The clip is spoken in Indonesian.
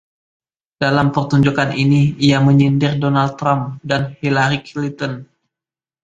Dalam pertunjukan ini, ia menyindir Donald Trump dan Hillary Clinton.